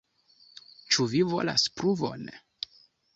Ĉu vi volas pruvon?